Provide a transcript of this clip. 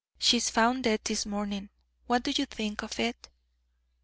She is found dead this morning; what do you think of it?"